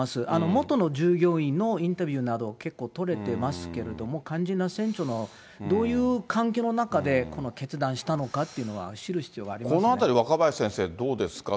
元の従業員のインタビューなど、結構取れてますけれども、肝心な船長の、どういう環境の中でこの決断したのかっていうのは知る必要がありこのあたり、若林先生、どうですか？